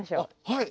はい。